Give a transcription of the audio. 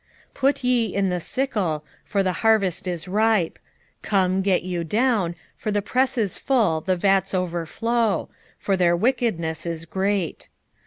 3:13 Put ye in the sickle, for the harvest is ripe: come, get you down; for the press is full, the fats overflow; for their wickedness is great.